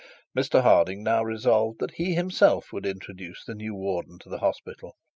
Mr Harding now resolved that he himself would introduce the new warden to the hospital.